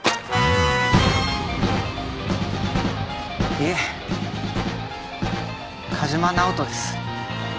いえ梶間直人です。